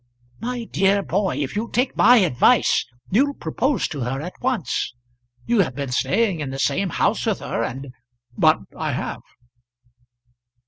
"My dear boy, if you'll take my advice you'll propose to her at once. You have been staying in the same house with her, and " "But I have."